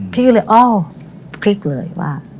พี่ก็เลยอ้อคลิกเลยว่า